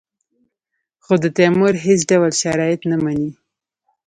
خو د تیمور هېڅ ډول شرایط نه مني.